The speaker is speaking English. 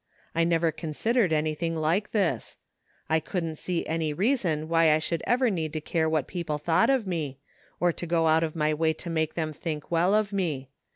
I never considered anything like this. I couldn't see any reason why I should ever need to care what people thought of me, or to go out of my way to make them think well of me.